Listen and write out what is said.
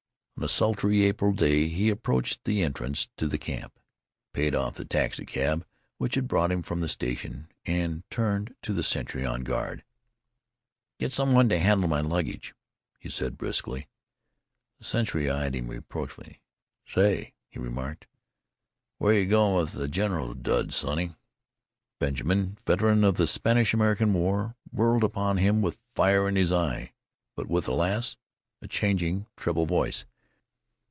On a sultry April day he approached the entrance to the camp, paid off the taxicab which had brought him from the station, and turned to the sentry on guard. "Get some one to handle my luggage!" he said briskly. The sentry eyed him reproachfully. "Say," he remarked, "where you goin' with the general's duds, sonny?" Benjamin, veteran of the Spanish American War, whirled upon him with fire in his eye, but with, alas, a changing treble voice.